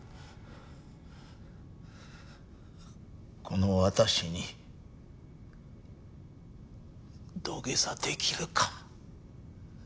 この私に土下座できるか？